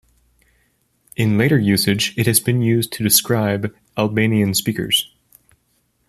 In later usage, it has been used to describe Albanian-speakers.